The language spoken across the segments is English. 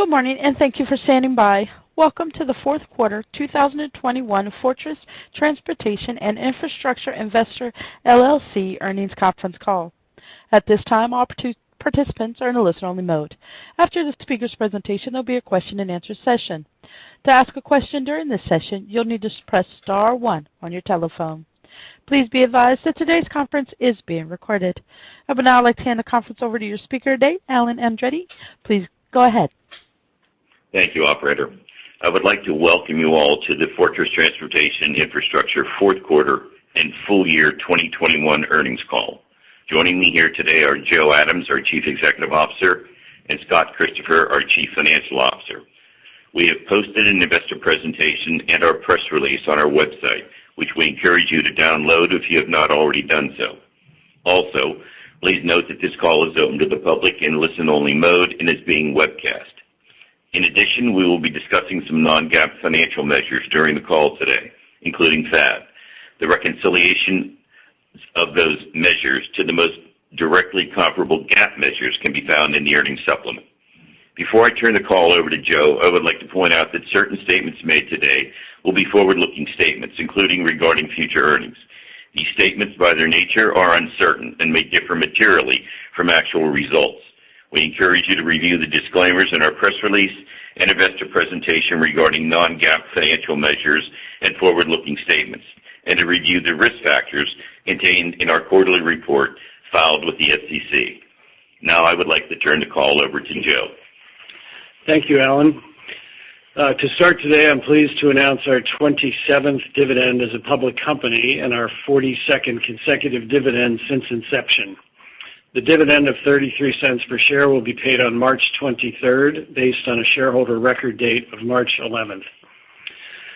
Good morning, and thank you for standing by. Welcome to the fourth quarter 2021 Fortress Transportation and Infrastructure Investors LLC earnings conference call. At this time, all participants are in a listen-only mode. After the speaker's presentation, there'll be a question and answer session. To ask a question during this session, you'll need to press star one on your telephone. Please be advised that today's conference is being recorded. I would now like to hand the conference over to your speaker today, Alan Andreini. Please go ahead. Thank you, operator. I would like to welcome you all to the Fortress Transportation and Infrastructure Investors fourth quarter and full year 2021 earnings call. Joining me here today are Joe Adams, our Chief Executive Officer, and Scott Christopher, our Chief Financial Officer. We have posted an investor presentation and our press release on our website, which we encourage you to download if you have not already done so. Also, please note that this call is open to the public in listen-only mode and is being webcast. In addition, we will be discussing some non-GAAP financial measures during the call today, including FAD. The reconciliations of those measures to the most directly comparable GAAP measures can be found in the earnings supplement. Before I turn the call over to Joe, I would like to point out that certain statements made today will be forward-looking statements, including regarding future earnings. These statements, by their nature, are uncertain and may differ materially from actual results. We encourage you to review the disclaimers in our press release and investor presentation regarding non-GAAP financial measures and forward-looking statements, and to review the risk factors contained in our quarterly report filed with the SEC. Now, I would like to turn the call over to Joe. Thank you, Alan. To start today, I'm pleased to announce our 27th dividend as a public company and our 42nd consecutive dividend since inception. The dividend of $0.33 per share will be paid on March 23rd, based on a shareholder record date of March 11th.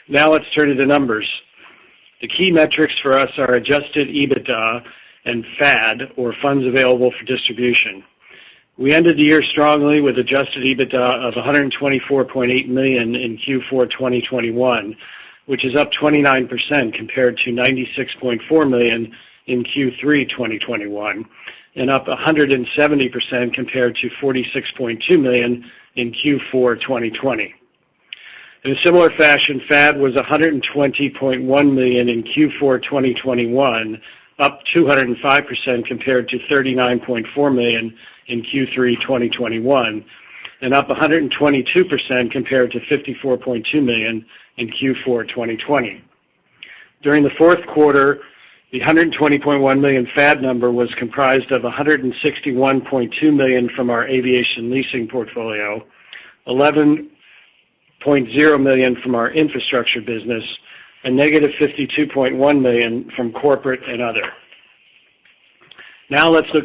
Now, let's turn to the numbers. The key metrics for us are adjusted EBITDA and FAD or funds available for distribution. We ended the year strongly with adjusted EBITDA of $124.8 million in Q4 2021, which is up 29% compared to $96.4 million in Q3 2021, and up 170% compared to $46.2 million in Q4 2020. FAD was $120.1 million in Q4 2021, up 205% compared to $39.4 million in Q3 2021, and up 122% compared to $54.2 million in Q4 2020. During the fourth quarter, the $120.1 million FAD number was comprised of $161.2 million from our aviation leasing portfolio, $11.0 million from our infrastructure business, and negative $52.1 million from corporate and other. Now, let's look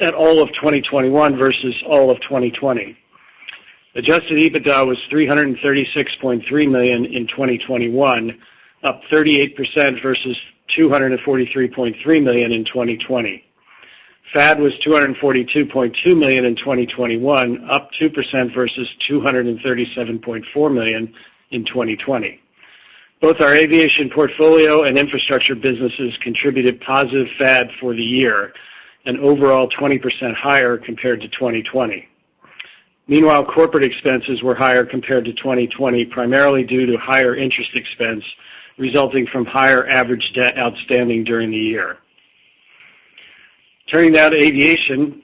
at all of 2021 versus all of 2020. Adjusted EBITDA was $336.3 million in 2021, up 38% versus $243.3 million in 2020. FAD was $242.2 million in 2021, up 2% versus $237.4 million in 2020. Both our aviation portfolio and infrastructure businesses contributed positive FAD for the year, an overall 20% higher compared to 2020. Meanwhile, corporate expenses were higher compared to 2020, primarily due to higher interest expense resulting from higher average debt outstanding during the year. Turning now to aviation.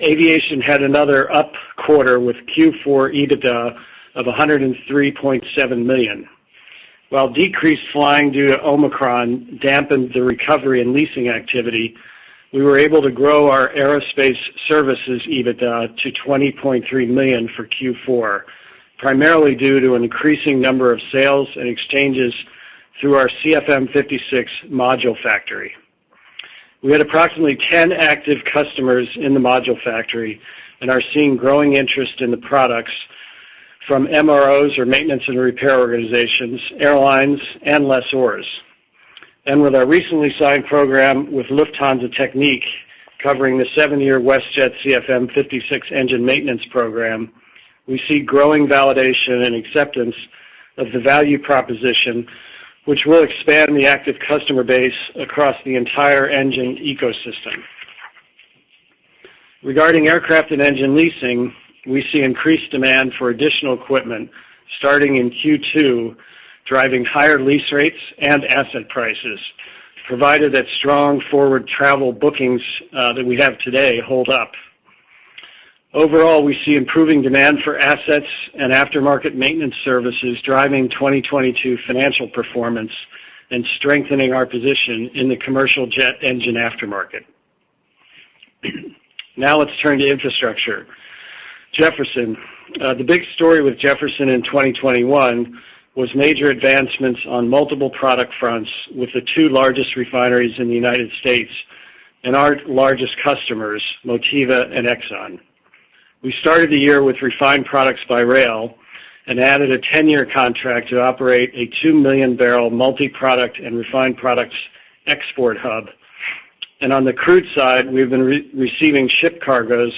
Aviation had another up quarter with Q4 EBITDA of $103.7 million. While decreased flying due to Omicron dampened the recovery and leasing activity, we were able to grow our aerospace services EBITDA to $20.3 million for Q4, primarily due to an increasing number of sales and exchanges through our CFM56 Module Factory. We had approximately 10 active customers in the Module Factory and are seeing growing interest in the products from MROs or maintenance and repair organizations, airlines, and lessors. With our recently signed program with Lufthansa Technik, covering the 7-year WestJet CFM56 engine maintenance program, we see growing validation and acceptance of the value proposition, which will expand the active customer base across the entire engine ecosystem. Regarding aircraft and engine leasing, we see increased demand for additional equipment starting in Q2, driving higher lease rates and asset prices, provided that strong forward travel bookings that we have today hold up. Overall, we see improving demand for assets and aftermarket maintenance services driving 2022 financial performance and strengthening our position in the commercial jet engine aftermarket. Now, let's turn to infrastructure. Jefferson. The big story with Jefferson in 2021 was major advancements on multiple product fronts with the two largest refineries in the United States and our largest customers, Motiva and Exxon. We started the year with refined products by rail and added a 10-year contract to operate a 2 million-barrel multi-product and refined products export hub. On the crude side, we've been receiving ship cargoes,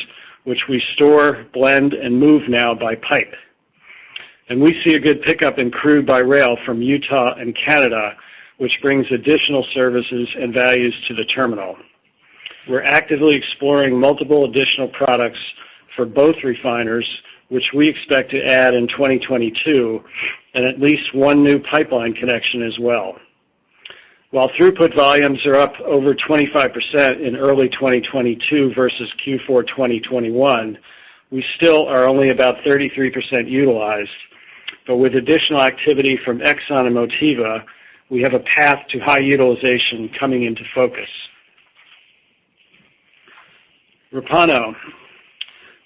which we store, blend, and move now by pipeline. We see a good pickup in crude by rail from Utah and Canada, which brings additional services and value to the terminal. We're actively exploring multiple additional products for both refiners, which we expect to add in 2022, and at least one new pipeline connection as well. While throughput volumes are up over 25% in early 2022 versus Q4 2021, we still are only about 33% utilized. With additional activity from Exxon and Motiva, we have a path to high utilization coming into focus.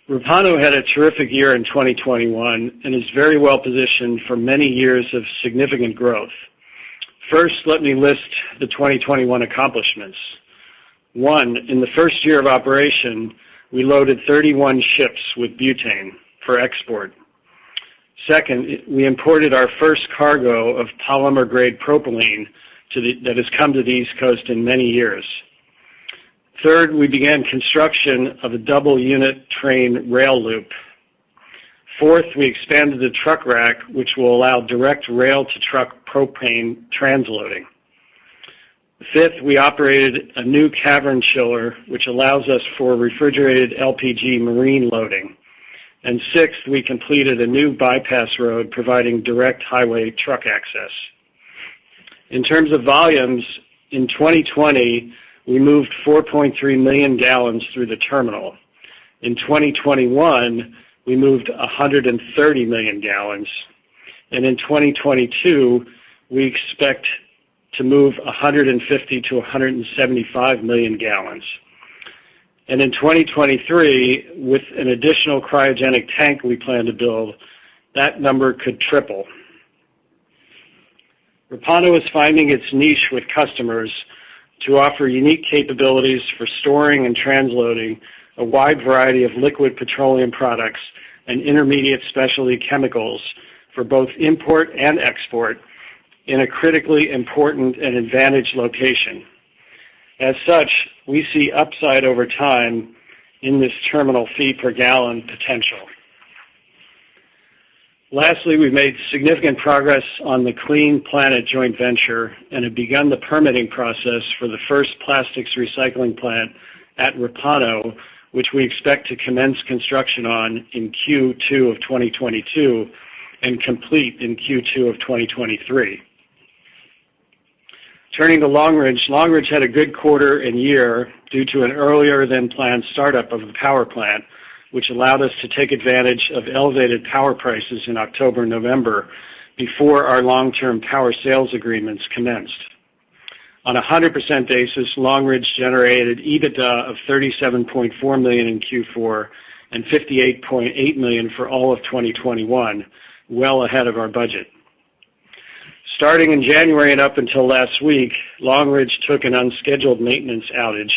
Repauno had a terrific year in 2021 and is very well positioned for many years of significant growth. First, let me list the 2021 accomplishments. One, in the first year of operation, we loaded 31 ships with butane for export. Second, we imported our first cargo of polymer-grade propylene that has come to the East Coast in many years. Third, we began construction of a double unit train rail loop. Fourth, we expanded the truck rack, which will allow direct rail-to-truck propane transloading. Fifth, we operated a new cavern chiller, which allows us for refrigerated LPG marine loading. Sixth, we completed a new bypass road providing direct highway truck access. In terms of volumes, in 2020, we moved 4.3 million gallons through the terminal. In 2021, we moved 130 million gallons. In 2022, we expect to move 150-175 million gallons. In 2023, with an additional cryogenic tank we plan to build, that number could triple. Repauno is finding its niche with customers to offer unique capabilities for storing and transloading a wide variety of liquid petroleum products and intermediate specialty chemicals for both import and export in a critically important and advantaged location. As such, we see upside over time in this terminal fee per gallon potential. Lastly, we've made significant progress on the Clean Planet joint venture and have begun the permitting process for the first plastics recycling plant at Repauno, which we expect to commence construction on in Q2 of 2022 and complete in Q2 of 2023. Turning to Long Ridge. Long Ridge had a good quarter and year due to an earlier-than-planned startup of the power plant, which allowed us to take advantage of elevated power prices in October and November before our long-term power sales agreements commenced. On a 100% basis, Long Ridge generated EBITDA of $37.4 million in Q4 and $58.8 million for all of 2021, well ahead of our budget. Starting in January and up until last week, Long Ridge took an unscheduled maintenance outage,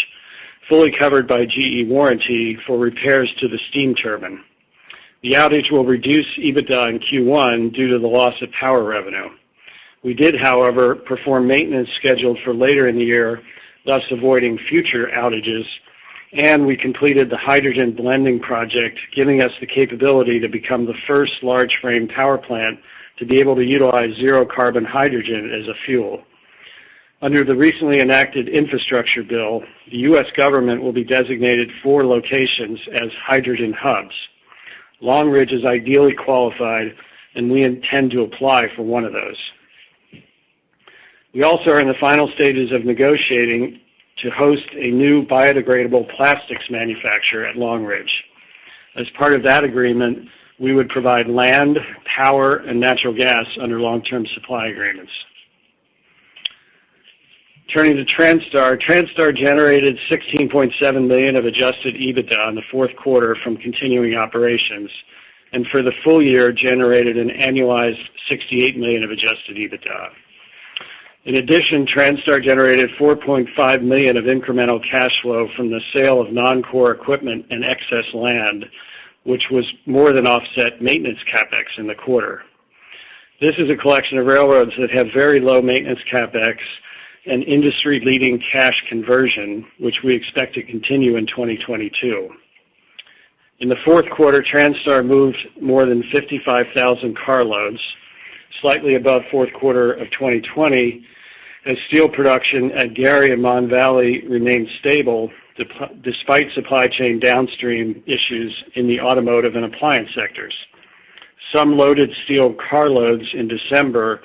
fully covered by GE warranty, for repairs to the steam turbine. The outage will reduce EBITDA in Q1 due to the loss of power revenue. We did, however, perform maintenance scheduled for later in the year, thus avoiding future outages, and we completed the hydrogen blending project, giving us the capability to become the first large frame power plant to be able to utilize zero carbon hydrogen as a fuel. Under the recently enacted infrastructure bill, the U.S. government will designate four locations as hydrogen hubs. Long Ridge is ideally qualified, and we intend to apply for one of those. We also are in the final stages of negotiating to host a new biodegradable plastics manufacturer at Long Ridge. As part of that agreement, we would provide land, power, and natural gas under long-term supply agreements. Turning to Transtar. Transtar generated $16.7 million of adjusted EBITDA in the fourth quarter from continuing operations, and for the full year generated an annualized $68 million of adjusted EBITDA. In addition, Transtar generated $4.5 million of incremental cash flow from the sale of non-core equipment and excess land, which was more than offset by maintenance CapEx in the quarter. This is a collection of railroads that have very low maintenance CapEx and industry-leading cash conversion, which we expect to continue in 2022. In the fourth quarter, Transtar moved more than 55,000 carloads, slightly above fourth quarter of 2020, as steel production at Gary and Mon Valley remained stable despite supply chain downstream issues in the automotive and appliance sectors. Some loaded steel carloads in December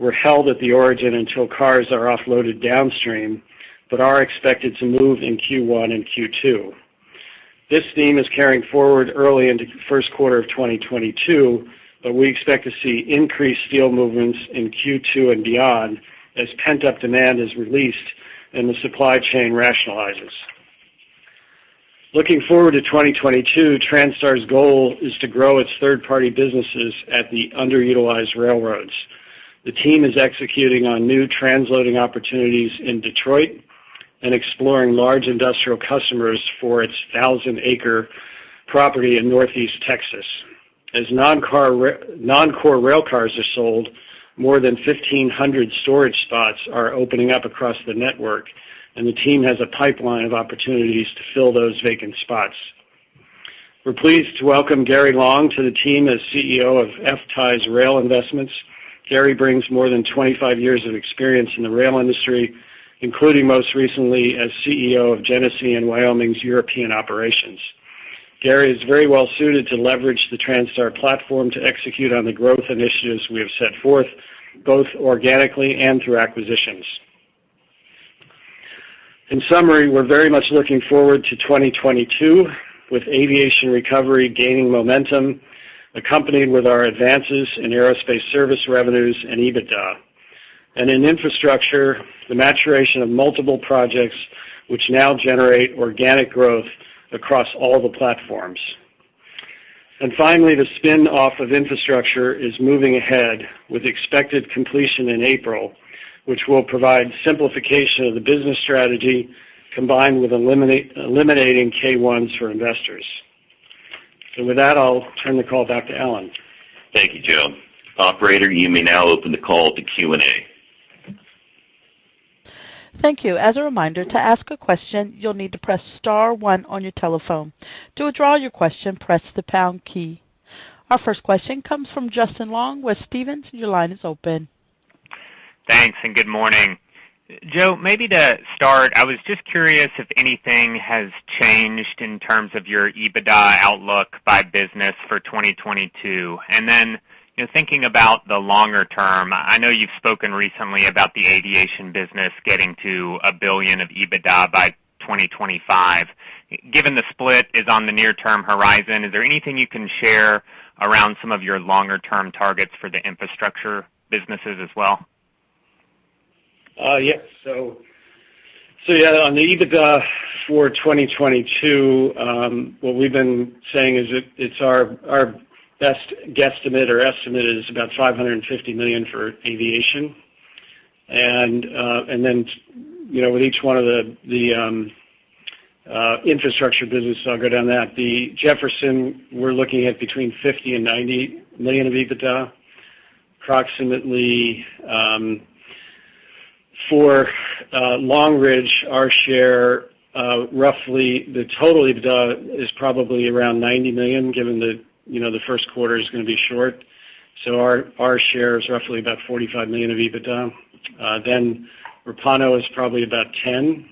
were held at the origin until cars are offloaded downstream but are expected to move in Q1 and Q2. This theme is carrying forward early into first quarter of 2022, but we expect to see increased steel movements in Q2 and beyond as pent-up demand is released and the supply chain rationalizes. Looking forward to 2022, Transtar's goal is to grow its third-party businesses at the underutilized railroads. The team is executing on new transloading opportunities in Detroit and exploring large industrial customers for its 1,000-acre property in Northeast Texas. As non-core rail cars are sold, more than 1,500 storage spots are opening up across the network. The team has a pipeline of opportunities to fill those vacant spots. We're pleased to welcome Gary Long to the team as CEO of FTAI Rail Investments. Gary brings more than 25 years of experience in the rail industry, including most recently as CEO of Genesee & Wyoming's European operations. Gary is very well suited to leverage the Transtar platform to execute on the growth initiatives we have set forth, both organically and through acquisitions. In summary, we're very much looking forward to 2022, with aviation recovery gaining momentum, accompanied with our advances in aerospace service revenues and EBITDA. In infrastructure, the maturation of multiple projects which now generate organic growth across all the platforms. Finally, the spin-off of infrastructure is moving ahead with expected completion in April, which will provide simplification of the business strategy combined with eliminating K-1s for investors. With that, I'll turn the call back to Alan. Thank you, Joe. Operator, you may now open the call to Q&A. Thank you. As a reminder, to ask a question, you'll need to press star one on your telephone. To withdraw your question, press the pound key. Our first question comes from Justin Long with Stephens. Your line is open. Thanks, and good morning. Joe, maybe to start, I was just curious if anything has changed in terms of your EBITDA outlook by business for 2022. You know, thinking about the longer term, I know you've spoken recently about the aviation business getting to $1 billion of EBITDA by 2025. Given the split is on the near-term horizon, is there anything you can share around some of your longer-term targets for the infrastructure businesses as well? Yes. Yeah, on the EBITDA for 2022, what we've been saying is it's our best guesstimate or estimate is about $550 million for aviation. With each one of the infrastructure business, I'll go down that. For Jefferson, we're looking at between $50 million and $90 million of EBITDA. For Long Ridge, our share, roughly the total EBITDA is probably around $90 million, given that the first quarter is gonna be short. Our share is roughly about $45 million of EBITDA. Then Repauno is probably about $10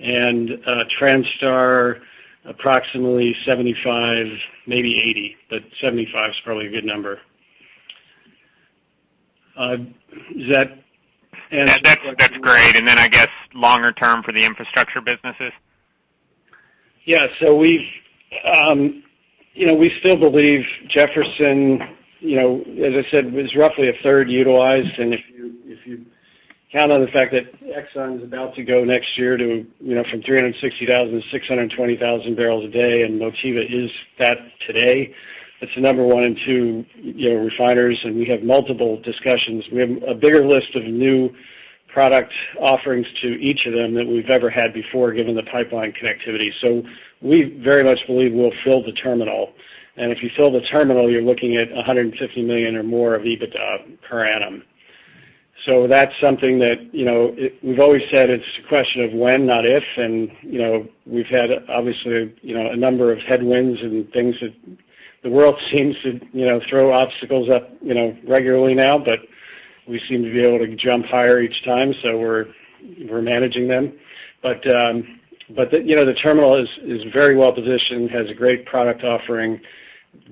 million. Transtar approximately $75 million, maybe $80 million, but $75 million is probably a good number. Does that answer your question? Yeah, that's great. I guess longer term for the infrastructure businesses. Yeah. We've, you know, we still believe Jefferson, you know, as I said, was roughly a third utilized. If you count on the fact that Exxon's about to go next year to, you know, from 360,000 to 620,000 barrels a day, and Motiva is that today. That's the number one and two, you know, refiners, and we have multiple discussions. We have a bigger list of new product offerings to each of them than we've ever had before, given the pipeline connectivity. We very much believe we'll fill the terminal. If you fill the terminal, you're looking at $150 million or more of EBITDA per annum. That's something that, you know, we've always said it's a question of when, not if. You know, we've had obviously, you know, a number of headwinds and things that the world seems to, you know, throw obstacles up, you know, regularly now. We seem to be able to jump higher each time, so we're managing them. The terminal is very well positioned, has a great product offering,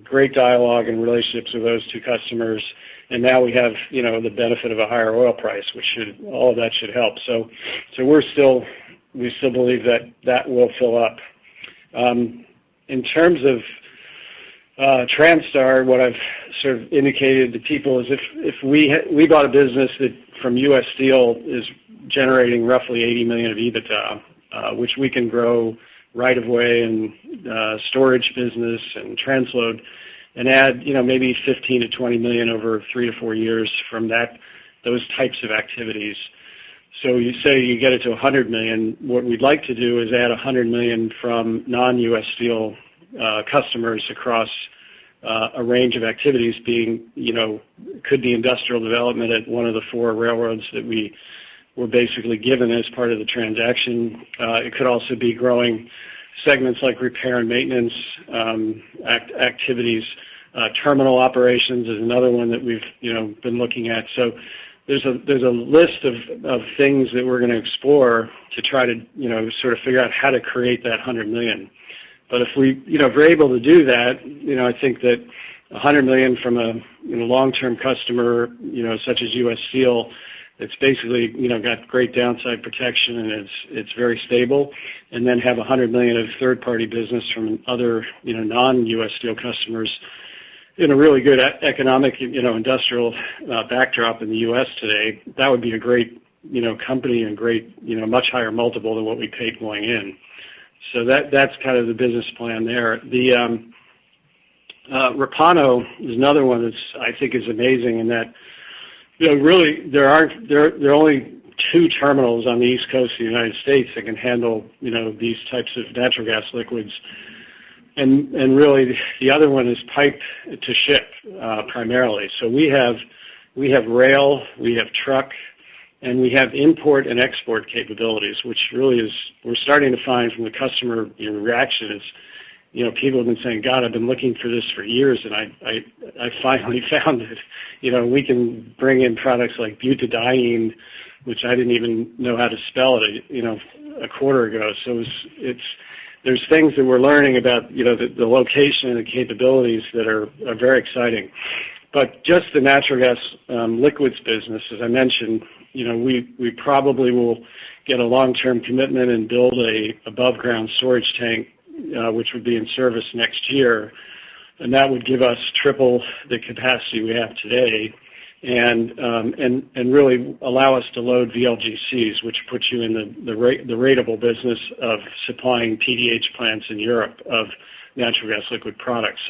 great dialogue and relationships with those two customers. Now we have, you know, the benefit of a higher oil price, which should. All of that should help. We're still believe that will fill up. In terms of Transtar, what I've sort of indicated to people is if we bought a business that from U.S. Steel is generating roughly $80 million of EBITDA, which we can grow right of way and storage business and transload and add, you know, maybe $15 million-$20 million over 3-4 years from that, those types of activities. You say you get it to $100 million. What we'd like to do is add $100 million from non-U.S. Steel customers across a range of activities being, you know, could be industrial development at one of the four railroads that we were basically given as part of the transaction. It could also be growing segments like repair and maintenance activities. Terminal operations is another one that we've, you know, been looking at. There's a list of things that we're gonna explore to try to, you know, sort of figure out how to create that $100 million. If we're able to do that, you know, I think that $100 million from a, you know, long-term customer, you know, such as U.S. Steel, it's basically, you know, got great downside protection, and it's very stable. Then have $100 million of third-party business from other, you know, non-U.S. Steel customers in a really good economic, you know, industrial backdrop in the U.S. today. That would be a great, you know, company and great, you know, much higher multiple than what we paid going in. That's kind of the business plan there. The Repauno is another one that's, I think, amazing in that, you know, really there are only two terminals on the East Coast of the United States that can handle, you know, these types of natural gas liquids. Really the other one is pipe to ship, primarily. We have rail, we have truck, and we have import and export capabilities, which we're starting to find from the customer interactions, you know, people have been saying, "God, I've been looking for this for years, and I finally found it." You know, we can bring in products like butadiene, which I didn't even know how to spell it, you know, a quarter ago. It's things that we're learning about, you know, the location and the capabilities that are very exciting. Just the natural gas liquids business, as I mentioned, you know, we probably will get a long-term commitment and build an above-ground storage tank, which would be in service next year. That would give us triple the capacity we have today and really allow us to load VLGCs, which puts you in the ratable business of supplying PDH plants in Europe of natural gas liquid products.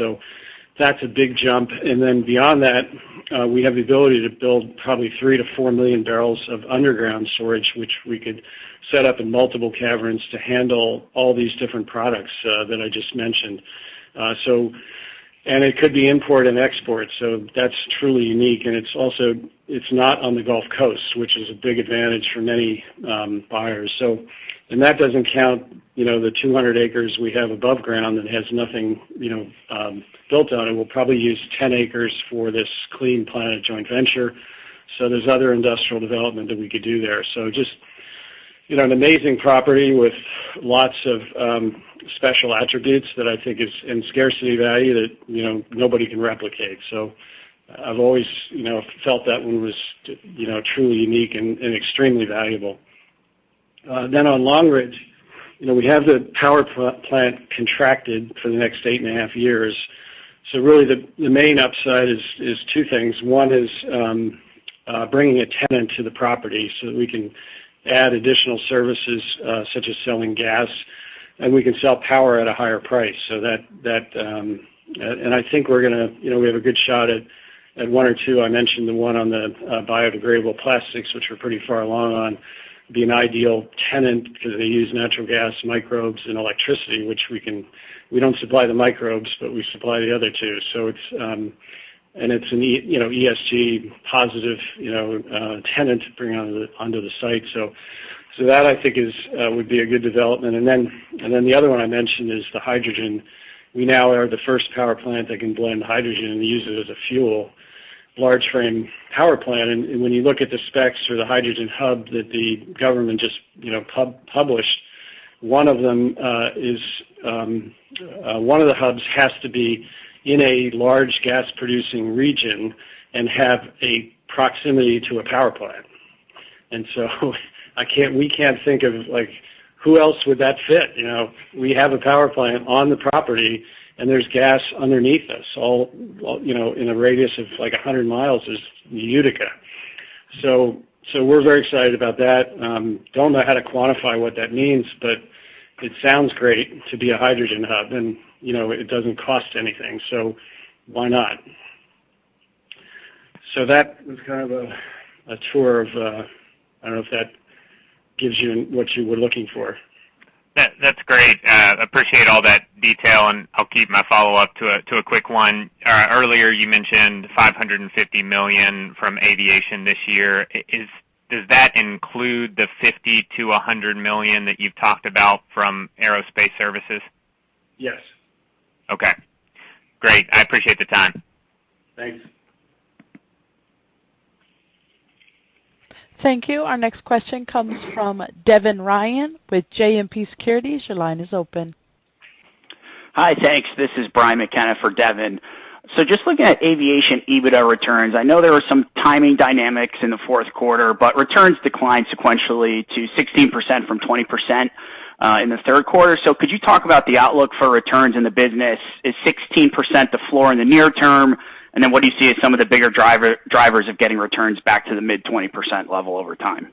That's a big jump. Beyond that, we have the ability to build probably 3-4 million barrels of underground storage, which we could set up in multiple caverns to handle all these different products that I just mentioned. It could be import and export, so that's truly unique. It's not on the Gulf Coast, which is a big advantage for many buyers. That doesn't count, you know, the 200 acres we have above ground and has nothing, you know, built on it. We'll probably use 10 acres for this Clean Planet Energy joint venture. There's other industrial development that we could do there. Just, you know, an amazing property with lots of special attributes that I think is in scarcity value that, you know, nobody can replicate. I've always, you know, felt that one was, you know, truly unique and extremely valuable. On Long Ridge, you know, we have the power plant contracted for the next 8.5 years. Really the main upside is two things. One is bringing a tenant to the property so that we can add additional services, such as selling gas, and we can sell power at a higher price. That I think you know, we have a good shot at one or two. I mentioned the one on the biodegradable plastics, which we're pretty far along on, be an ideal tenant because they use natural gas microbes and electricity, we don't supply the microbes, but we supply the other two. It's an ESG positive, you know, tenant to bring onto the site. That I think would be a good development. Then the other one I mentioned is the hydrogen. We now are the first power plant that can blend hydrogen and use it as a fuel, large frame power plant. When you look at the specs for the hydrogen hub that the government just, you know, published, one of them is one of the hubs has to be in a large gas-producing region and have a proximity to a power plant. We can't think of, like, who else would that fit, you know? We have a power plant on the property, and there's gas underneath us. All, you know, in a radius of like 100 miles, is Utica. We're very excited about that. I don't know how to quantify what that means, but it sounds great to be a hydrogen hub. You know, it doesn't cost anything, so why not? That was kind of a tour of. I don't know if that gives you what you were looking for. That's great. Appreciate all that detail, and I'll keep my follow-up to a quick one. Earlier you mentioned $550 million from aviation this year. Does that include the $50 million-$100 million that you've talked about from aerospace services? Yes. Okay, great. I appreciate the time. Thanks. Thank you. Our next question comes from Devin Ryan with JMP Securities. Your line is open. Hi. Thanks. This is Brian McKenna for Devin. Just looking at aviation EBITDA returns, I know there were some timing dynamics in the fourth quarter, but returns declined sequentially to 16% from 20% in the third quarter. Could you talk about the outlook for returns in the business? Is 16% the floor in the near term? What do you see as some of the bigger drivers of getting returns back to the mid-20% level over time?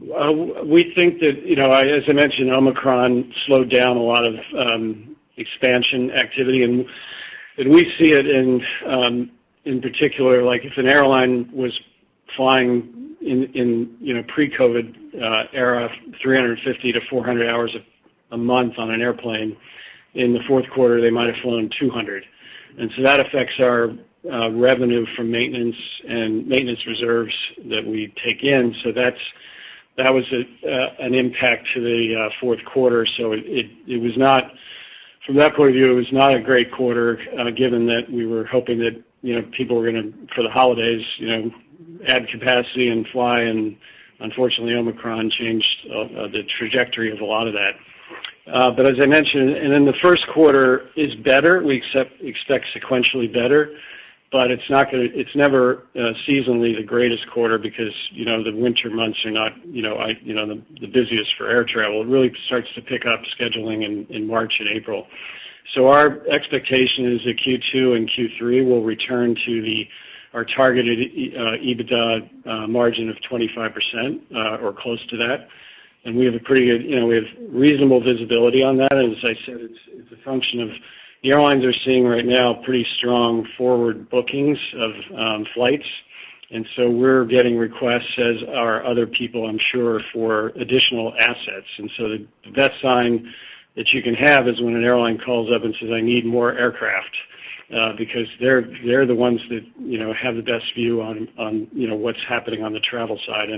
We think that, you know, as I mentioned, Omicron slowed down a lot of expansion activity. We see it in particular, like, if an airline was flying in pre-COVID era, 350-400 hours a month on an airplane. In the fourth quarter, they might have flown 200. That affects our revenue from maintenance and maintenance reserves that we take in. That was an impact to the fourth quarter. It was not a great quarter from that point of view, given that we were hoping that, you know, people were gonna, for the holidays, you know, add capacity and fly, and unfortunately, Omicron changed the trajectory of a lot of that. But as I mentioned, then the first quarter is better. We expect sequentially better, but it's never seasonally the greatest quarter because, you know, the winter months are not, you know, the busiest for air travel. It really starts to pick up scheduling in March and April. Our expectation is that Q2 and Q3 will return to our targeted EBITDA margin of 25%, or close to that. You know, we have reasonable visibility on that. As I said, it's a function of the airlines are seeing right now pretty strong forward bookings of flights. We're getting requests, as are other people, I'm sure, for additional assets. The best sign that you can have is when an airline calls up and says, "I need more aircraft," because they're the ones that, you know, have the best view on, you know, what's happening on the travel side.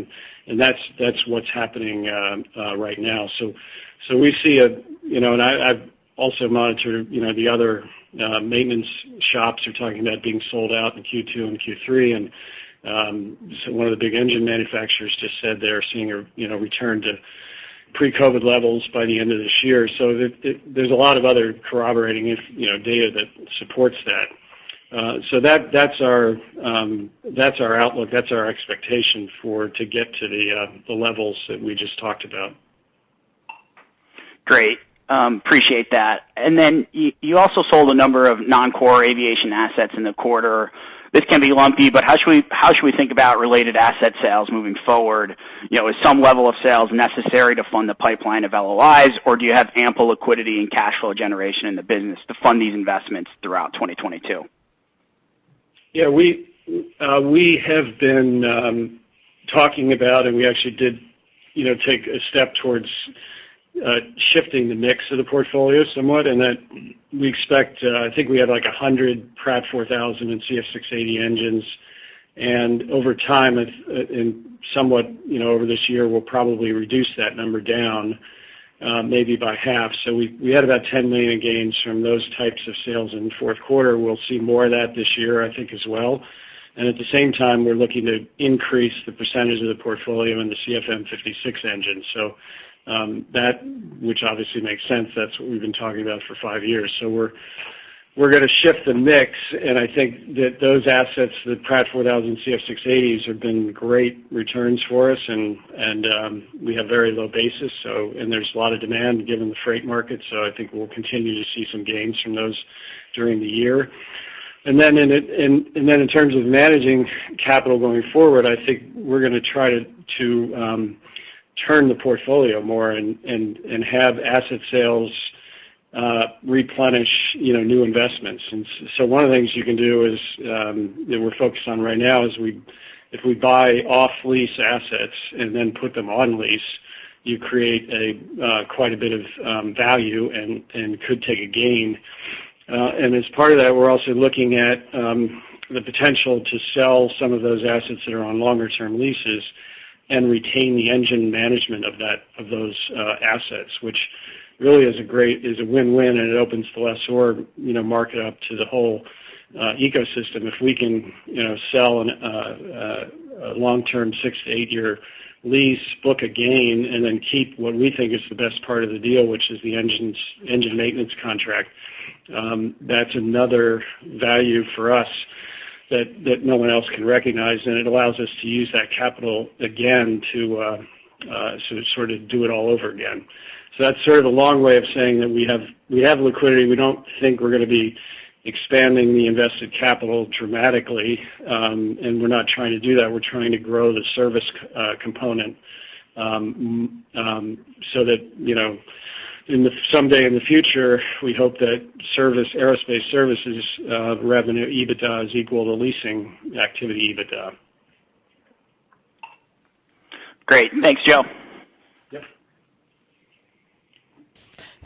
That's what's happening right now. We see, you know. I've also monitored, you know, the other maintenance shops are talking about being sold out in Q2 and Q3. One of the big engine manufacturers just said they are seeing, you know, return to pre-COVID levels by the end of this year. There's a lot of other corroborating, you know, data that supports that. That's our outlook. That's our expectation for to get to the levels that we just talked about. Great. Appreciate that. You also sold a number of non-core aviation assets in the quarter. This can be lumpy, but how should we think about related asset sales moving forward? You know, is some level of sales necessary to fund the pipeline of LOIs, or do you have ample liquidity and cash flow generation in the business to fund these investments throughout 2022? Yeah. We have been talking about, and we actually did, you know, take a step towards shifting the mix of the portfolio somewhat, and that we expect, I think we had like 100 PW4000 and CF6-80 engines. Over time and somewhat, you know, over this year, we'll probably reduce that number down, maybe by half. We had about $10 million in gains from those types of sales in the fourth quarter. We'll see more of that this year, I think, as well. At the same time, we're looking to increase the percentage of the portfolio in the CFM56 engine. That, which obviously makes sense, that's what we've been talking about for five years. We're gonna shift the mix. I think that those assets, the PW4000s and CF6-80s have been great returns for us. We have very low basis, so and there's a lot of demand given the freight market. I think we'll continue to see some gains from those during the year. Then in terms of managing capital going forward, I think we're gonna try to turn the portfolio more and have asset sales replenish new investments. One of the things you can do is that we're focused on right now is if we buy off lease assets and then put them on lease, you create quite a bit of value and could take a gain. As part of that, we're also looking at the potential to sell some of those assets that are on longer term leases and retain the engine management of those assets, which is a win-win, and it opens the lessor, you know, market up to the whole ecosystem. If we can, you know, sell a long-term 6- to 8-year lease, book a gain, and then keep what we think is the best part of the deal, which is the engines, engine maintenance contract, that's another value for us that no one else can recognize. It allows us to use that capital again to sort of do it all over again. That's sort of a long way of saying that we have liquidity. We don't think we're gonna be expanding the invested capital dramatically, and we're not trying to do that. We're trying to grow the service component, so that, you know, someday in the future, we hope that service, aerospace services, revenue EBITDA is equal to leasing activity EBITDA. Great. Thanks Joe. Yep.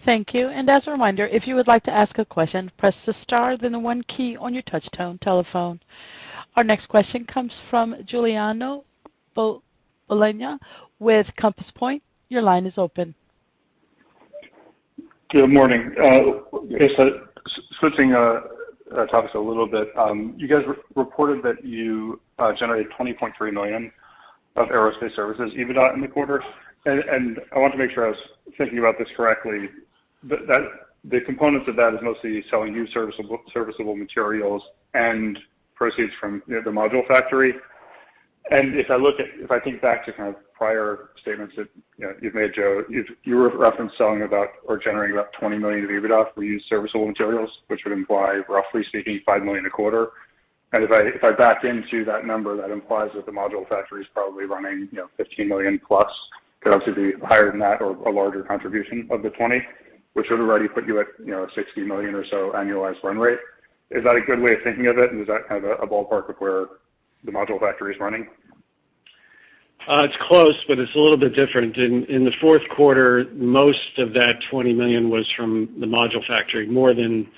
Thank you. As a reminder, if you would like to ask a question, press the star, then the one key on your touch tone telephone. Our next question comes from Giuliano Bologna with Compass Point. Your line is open. Good morning. I guess switching topics a little bit, you guys reported that you generated $20.3 million of aerospace services EBITDA in the quarter. I want to make sure I was thinking about this correctly, but that the components of that is mostly selling new serviceable materials and proceeds from, you know, the Module Factory. If I think back to kind of prior statements that, you know, you've made, Joe, you referenced selling about or generating about $20 million of EBITDA for used serviceable materials, which would imply, roughly speaking, $5 million a quarter. If I back into that number, that implies that the Module Factory is probably running, you know, $15 million plus. Could also be higher than that or a larger contribution of the 20, which would already put you at, you know, a $60 million or so annualized run rate. Is that a good way of thinking of it? Is that kind of a ballpark of where the Module Factory is running? It's close, but it's a little bit different. In the fourth quarter, most of that $20 million was from the Module Factory. More than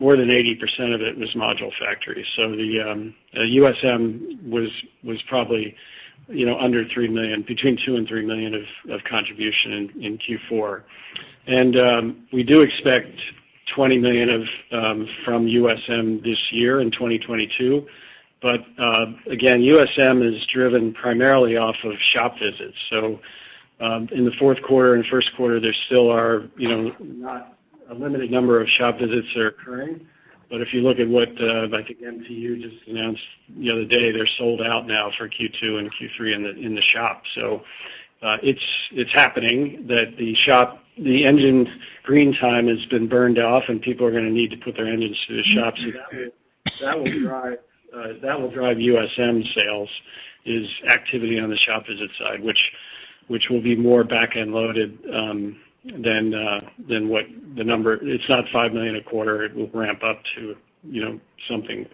80% of it was Module Factory. The USM was probably, you know, under $3 million, between $2 million and $3 million of contribution in Q4. We do expect $20 million from USM this year in 2022. But again, USM is driven primarily off of shop visits. In the fourth quarter and first quarter, there still are, you know, a limited number of shop visits occurring. If you look at what, like MTU just announced the other day, they're sold out now for Q2 and Q3 in the shop. It's happening that the shop, the engine green time has been burned off, and people are gonna need to put their engines through the shops. That will drive USM sales. It's activity on the shop visit side, which will be more back-end loaded than what the number. It's not $5 million a quarter. It will ramp up to, you know, something.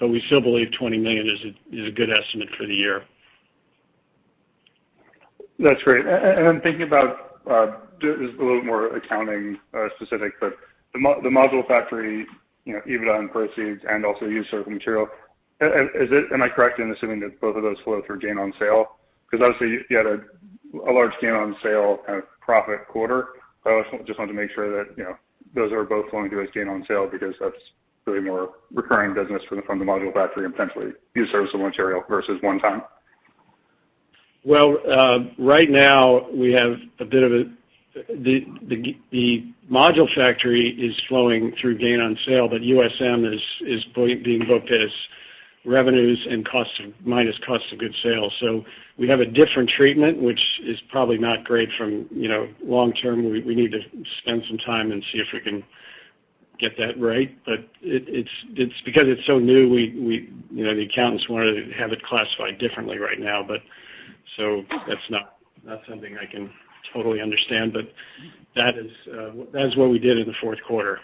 We still believe $20 million is a good estimate for the year. That's great. I'm thinking about just a little more accounting specific, but the Module Factory, you know, EBITDA and proceeds and also use of material. Am I correct in assuming that both of those flow through gain on sale? Because obviously, you had a large gain on sale kind of profit quarter. I just want to make sure that, you know, those are both flowing through as gain on sale because that's really more recurring business from the Module Factory and potentially use of material versus one time. Well, right now, we have a bit of a. The Module Factory is flowing through gain on sale, but USM is being booked as revenues and cost of goods sold. We have a different treatment, which is probably not great from, you know, long-term. We need to spend some time and see if we can get that right. It's because it's so new, you know, the accountants wanted to have it classified differently right now, but so that's not something I can totally understand. That is what we did in the fourth quarter.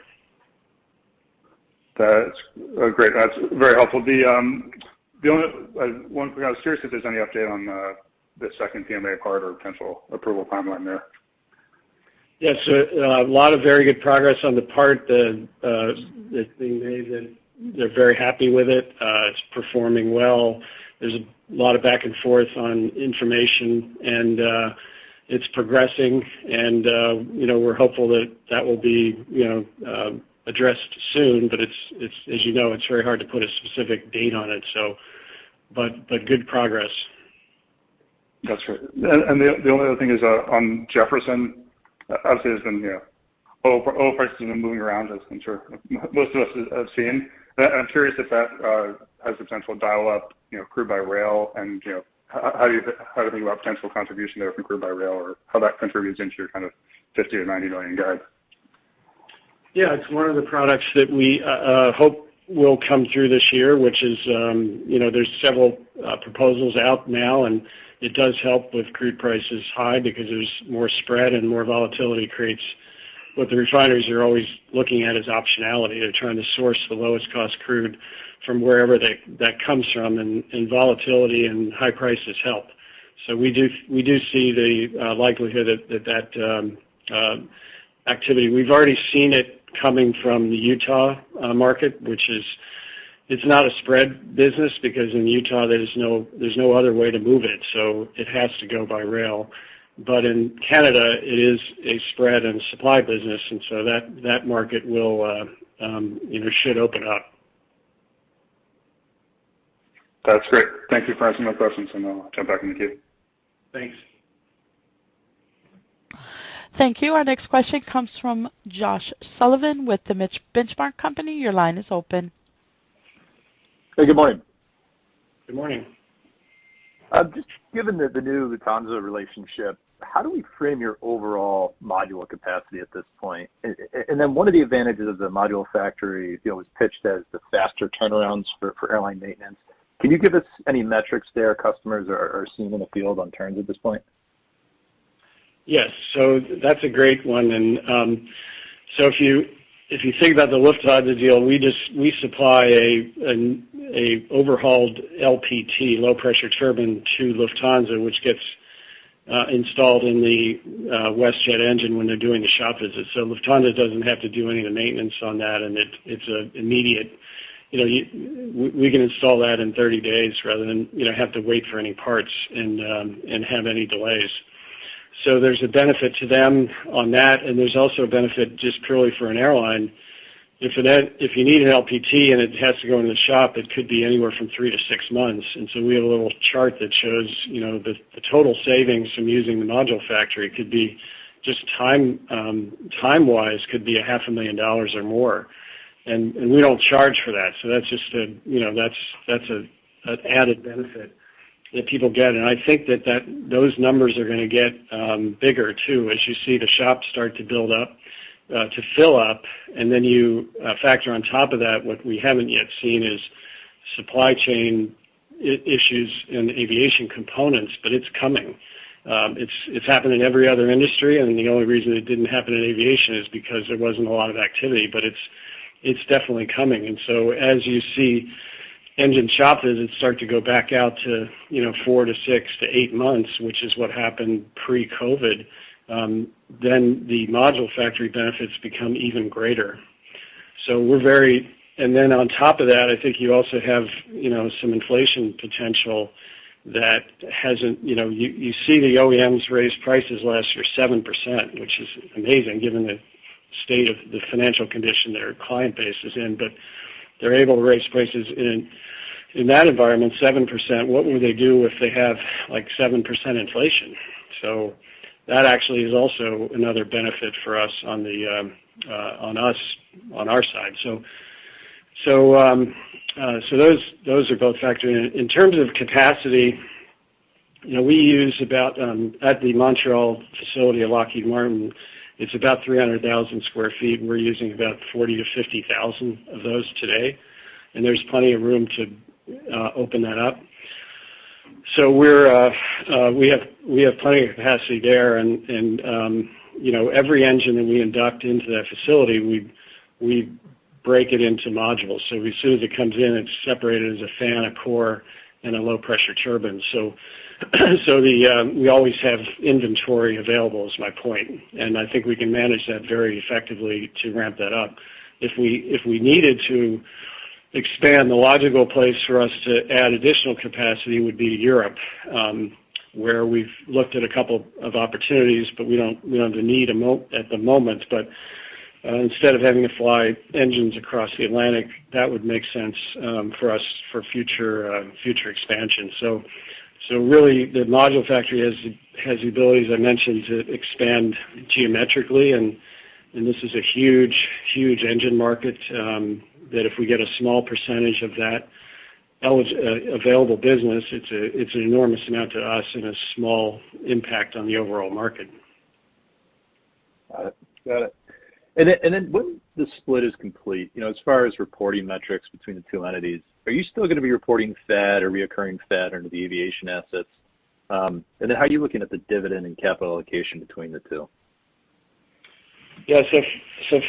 That's great. That's very helpful. The only one thing I was curious if there's any update on the second PMA part or potential approval timeline there. Yes. A lot of very good progress on the part that they made, and they're very happy with it. It's performing well. There's a lot of back and forth on information, and it's progressing, and you know, we're hopeful that that will be, you know, addressed soon. But it's, as you know, it's very hard to put a specific date on it. Good progress. That's great. The only other thing is on Jefferson. Obviously it's been, you know, oil prices have been moving around as I'm sure most of us have seen. I'm curious if that has the potential to dial up, you know, crude by rail and, you know, how do you think about potential contribution there from crude by rail or how that contributes into your kind of $50 million-$90 million guide? Yeah. It's one of the products that we hope will come through this year, which is, you know, there's several proposals out now, and it does help with crude prices high because there's more spread and more volatility creates. What the refineries are always looking at is optionality. They're trying to source the lowest cost crude from wherever that comes from, and volatility and high prices help. We do see the likelihood that activity. We've already seen it coming from the Utah market, which is. It's not a spread business because in Utah there's no other way to move it, so it has to go by rail. In Canada, it is a spread and supply business, and so that market will, you know, should open up. That's great. Thank you. That's my questions, and I'll jump back in the queue. Thanks. Thank you. Our next question comes from Josh Sullivan with The Benchmark Company. Your line is open. Hey, good morning. Good morning. Just given the new Lufthansa relationship, how do we frame your overall module capacity at this point? One of the advantages of the Module Factory, you know, was pitched as the faster turnarounds for airline maintenance. Can you give us any metrics there customers are seeing in the field on turns at this point? Yes. That's a great one. If you think about the Lufthansa deal, we supply an overhauled LPT, low-pressure turbine, to Lufthansa, which gets installed in the WestJet engine when they're doing the shop visit. Lufthansa doesn't have to do any of the maintenance on that, and it's immediate. You know, we can install that in 30 days rather than have to wait for any parts and have any delays. There's a benefit to them on that, and there's also a benefit just purely for an airline. If you need an LPT and it has to go in the shop, it could be anywhere from 3-6 months. We have a little chart that shows the total savings from using the Module Factory could be just time-wise could be a half a million dollars or more. We don't charge for that, so that's just an added benefit that people get. I think those numbers are gonna get bigger too as you see the shops start to build up to fill up. Then you factor on top of that, what we haven't yet seen is supply chain issues in aviation components, but it's coming. It's happened in every other industry, and the only reason it didn't happen in aviation is because there wasn't a lot of activity, but it's definitely coming. As you see engine shop visits start to go back out to, you know, 4 to 6 to 8 months, which is what happened pre-COVID, then the Module Factory benefits become even greater. On top of that, I think you also have, you know, some inflation potential that hasn't, you know. You see the OEMs raise prices last year 7%, which is amazing given the state of the financial condition their client base is in. But they're able to raise prices in that environment 7%. What will they do if they have, like, 7% inflation? That actually is also another benefit for us on our side. Those are both factoring in. In terms of capacity, you know, we use about at the Montreal facility at Lockheed Martin, it's about 300,000 sq ft. We're using about 40,000-50,000 of those today. There's plenty of room to open that up. We have plenty of capacity there and, you know, every engine that we induct into that facility, we break it into modules. So as soon as it comes in, it's separated as a fan, a core, and a low pressure turbine. We always have inventory available is my point. I think we can manage that very effectively to ramp that up. If we needed to expand, the logical place for us to add additional capacity would be Europe, where we've looked at a couple of opportunities, but we don't have the need at the moment. Instead of having to fly engines across the Atlantic, that would make sense for us for future expansion. Really, the Module Factory has the ability, as I mentioned, to expand geometrically. This is a huge engine market that if we get a small percentage of that available business, it's an enormous amount to us and a small impact on the overall market. Got it. When the split is complete, you know, as far as reporting metrics between the two entities, are you still gonna be reporting FAD or recurring FAD under the aviation assets? How are you looking at the dividend and capital allocation between the two? Yeah.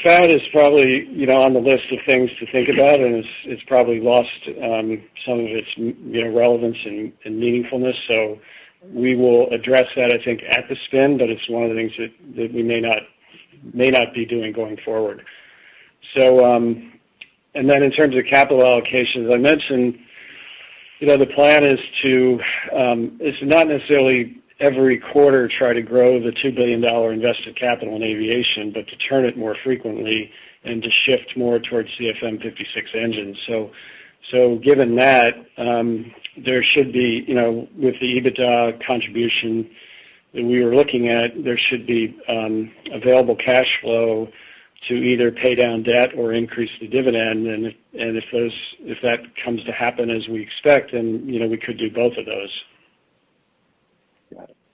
Fed is probably, you know, on the list of things to think about, and it's probably lost some of its, you know, relevance and meaningfulness. We will address that, I think, at the spin, but it's one of the things that we may not be doing going forward. In terms of capital allocation, as I mentioned, you know, the plan is to, it's not necessarily every quarter try to grow the $2 billion invested capital in aviation, but to turn it more frequently and to shift more towards CFM56 engines. Given that, there should be, you know, with the EBITDA contribution that we are looking at, available cash flow to either pay down debt or increase the dividend. If that comes to happen as we expect, then, you know, we could do both of those.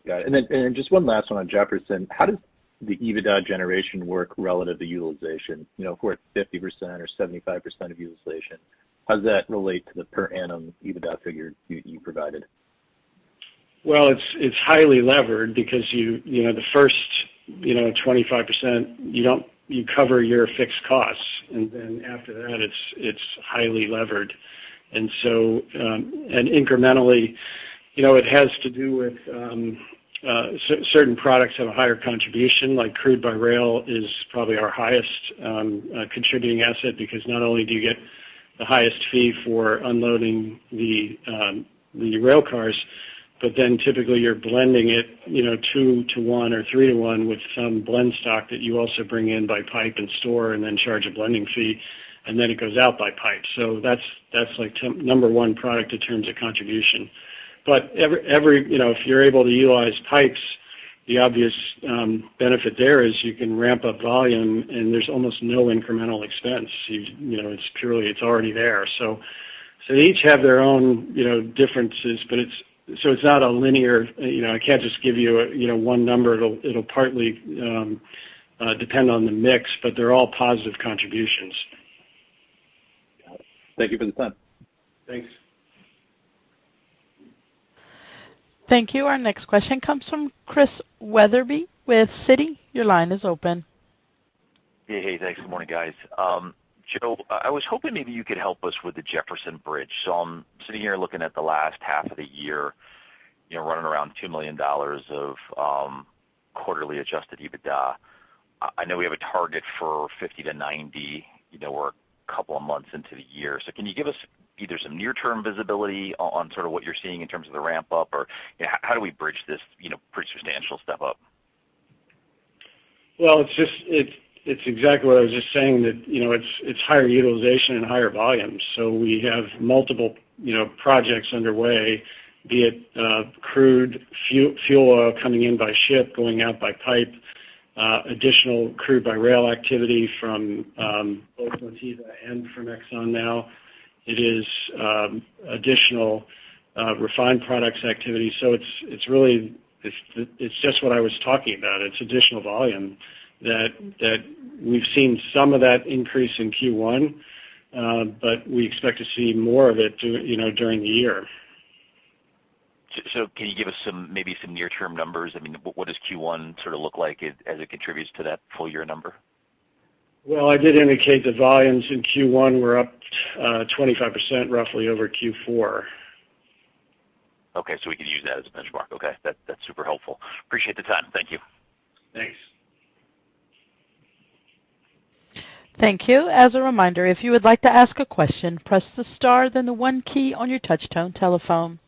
Got it. Just one last one on Jefferson. How does the EBITDA generation work relative to utilization? You know, if we're at 50% or 75% of utilization, how does that relate to the per annum EBITDA figure you provided? Well, it's highly levered because you know the first 25%, you cover your fixed costs, and then after that it's highly levered. Incrementally, you know, it has to do with certain products have a higher contribution, like crude by rail is probably our highest contributing asset because not only do you get the highest fee for unloading the rail cars, but then typically you're blending it, you know, 2-to-1 or 3-to-1 with some blend stock that you also bring in by pipe and store and then charge a blending fee, and then it goes out by pipe. That's like number one product in terms of contribution. Every, you know, if you're able to utilize pipes, the obvious benefit there is you can ramp up volume and there's almost no incremental expense. You know, it's purely, it's already there. They each have their own, you know, differences, so it's not a linear, you know, I can't just give you know, one number. It'll partly depend on the mix, but they're all positive contributions. Got it. Thank you for the time. Thanks. Thank you. Our next question comes from Chris Wetherbee with Citi. Your line is open. Yeah. Hey, thanks. Good morning, guys. Joe, I was hoping maybe you could help us with the Jefferson Bridge. I'm sitting here looking at the last half of the year, you know, running around $2 million of quarterly adjusted EBITDA. I know we have a target for $50-$90 million, you know, we're a couple of months into the year. Can you give us either some near-term visibility on sort of what you're seeing in terms of the ramp up, or how do we bridge this, you know, pretty substantial step up? Well, it's exactly what I was just saying, that, you know, it's higher utilization and higher volumes. We have multiple projects underway, be it crude, fuel oil coming in by ship, going out by pipe, additional crude by rail activity from both Motiva and from Exxon now. It is additional refined products activity. It's really just what I was talking about. It's additional volume that we've seen some of that increase in Q1, but we expect to see more of it, you know, during the year. So can you give us some, maybe some near term numbers? I mean, what does Q1 sort of look like as it contributes to that full year number? Well, I did indicate the volumes in Q1 were up 25% roughly over Q4. Okay. We can use that as a benchmark. Okay. That's super helpful. I appreciate the time. Thank you. Thanks. Thank you. As a reminder, if you would like to ask a question, press the star then the one key on your touch-tone telephone.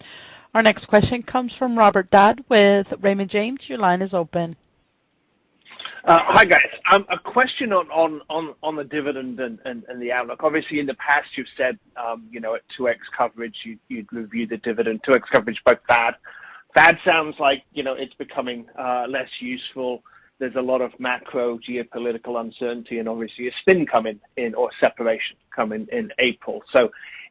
Our next question comes from Robert Dodd with Raymond James. Your line is open. Hi guys. A question on the dividend and the outlook. Obviously in the past you've said, you know, at 2x coverage you'd review the dividend, 2x coverage by FAD. FAD sounds like, you know, it's becoming less useful. There's a lot of macro geopolitical uncertainty and obviously a spin coming in, or separation coming in April.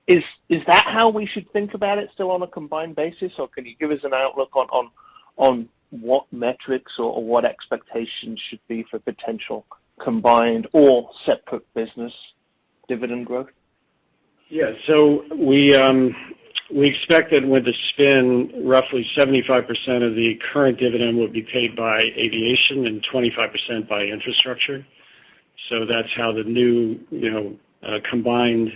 Is that how we should think about it still on a combined basis, or can you give us an outlook on On what metrics or what expectations should be for potential combined or separate business dividend growth? We expect that with the spin, roughly 75% of the current dividend will be paid by aviation and 25% by infrastructure. That's how the new, you know, combined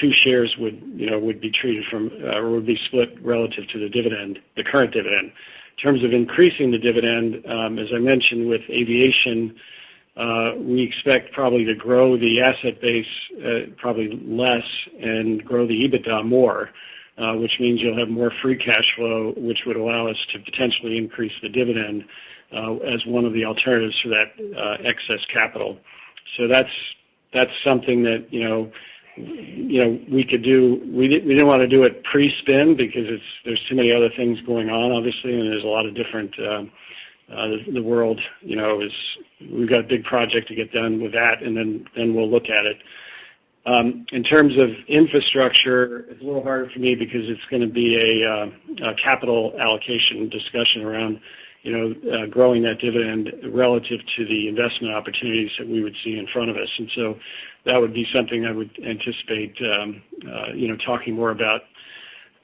two shares would, you know, be split relative to the dividend, the current dividend. In terms of increasing the dividend, as I mentioned, with aviation, we expect probably to grow the asset base probably less and grow the EBITDA more, which means you'll have more free cash flow, which would allow us to potentially increase the dividend as one of the alternatives for that excess capital. That's something that, you know, we could do. We didn't wanna do it pre-spin because there's too many other things going on, obviously. We've got a big project to get done with that, and then we'll look at it. In terms of infrastructure, it's a little harder for me because it's gonna be a capital allocation discussion around, you know, growing that dividend relative to the investment opportunities that we would see in front of us. That would be something I would anticipate, you know, talking more about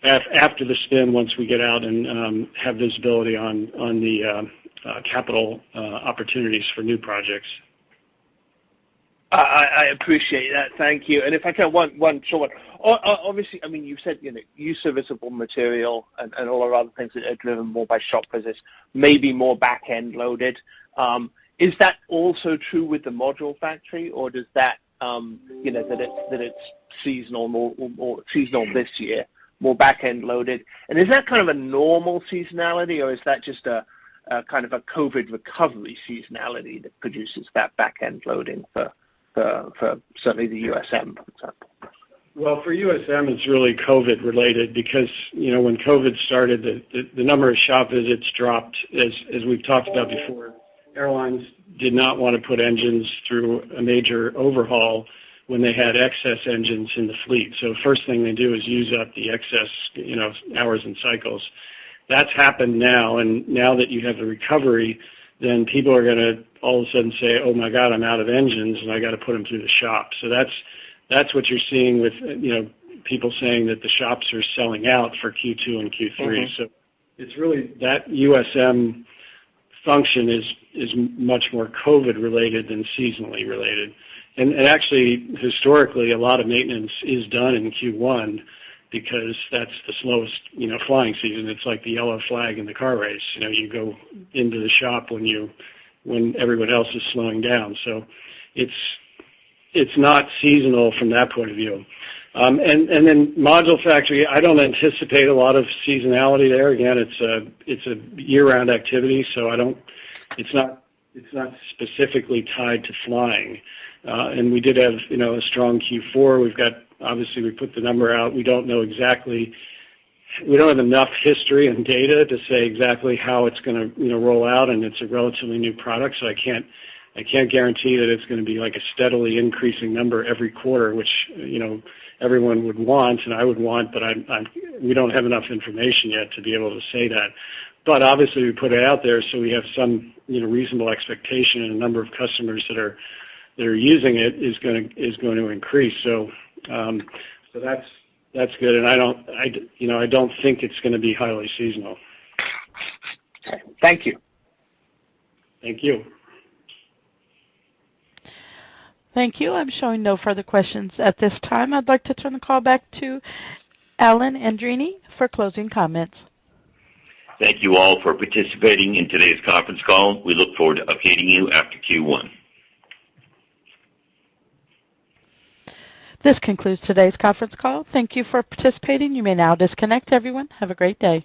after the spin once we get out and have visibility on the capital opportunities for new projects. I appreciate that. Thank you. If I can, one short. Obviously, I mean, you know, use of valuable material and all our other things that are driven more by shop visits may be more back-end loaded. Is that also true with the Module Factory, or does that, you know, that it's more seasonal this year, more back-end loaded? Is that kind of a normal seasonality, or is that just a kind of a COVID recovery seasonality that produces that back-end loading for certainly the USM, for example? Well, for USM, it's really COVID related because, you know, when COVID started, the number of shop visits dropped. As we've talked about before, airlines did not wanna put engines through a major overhaul when they had excess engines in the fleet. So first thing they do is use up the excess, you know, hours and cycles. That's happened now, and now that you have the recovery, then people are gonna all of a sudden say, "Oh my God, I'm out of engines, and I gotta put them through the shop." So that's what you're seeing with, you know, people saying that the shops are selling out for Q2 and Q3. Mm-hmm. It's really that USM function is much more COVID-related than seasonally related. It's actually, historically, a lot of maintenance is done in Q1 because that's the slowest, you know, flying season. It's like the yellow flag in the car race. You know, you go into the shop when everyone else is slowing down. It's not seasonal from that point of view. And then Module Factory, I don't anticipate a lot of seasonality there. Again, it's a year-round activity, so I don't. It's not specifically tied to flying. And we did have, you know, a strong Q4. We've got. Obviously, we put the number out. We don't know exactly. We don't have enough history and data to say exactly how it's gonna, you know, roll out, and it's a relatively new product, so I can't guarantee that it's gonna be like a steadily increasing number every quarter, which, you know, everyone would want and I would want, but we don't have enough information yet to be able to say that. Obviously, we put it out there, so we have some, you know, reasonable expectation, and the number of customers that are using it is going to increase. That's good. I don't, you know, think it's gonna be highly seasonal. Okay. Thank you. Thank you. Thank you. I'm showing no further questions at this time. I'd like to turn the call back to Alan Andreini for closing comments. Thank you all for participating in today's conference call. We look forward to updating you after Q1. This concludes today's conference call. Thank you for participating. You may now disconnect everyone. Have a great day.